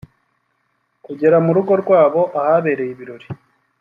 kugera mu rugo rwabo ahabereye ibirori